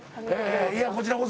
いやこちらこそ。